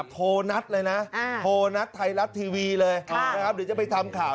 โทรนัดเลยนะโทรนัดไทยรัฐทีวีเลยนะครับเดี๋ยวจะไปทำข่าว